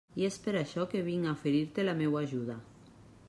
I és per això que vinc a oferir-te la meua ajuda.